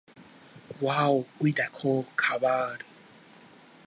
Wow, ঐ দেখো, খাবার!